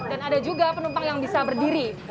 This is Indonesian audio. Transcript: dan ada juga penumpang yang bisa berdiri